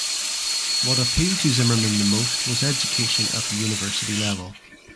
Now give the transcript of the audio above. What appealed to Zimmerman the most was education at the university level.